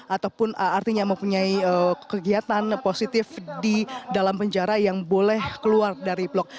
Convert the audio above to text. ataupun artinya mempunyai kegiatan positif di dalam penjara yang boleh keluar dari blok